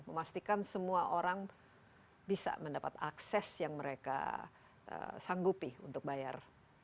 memastikan semua orang bisa mendapat akses yang mereka sanggupi untuk bayar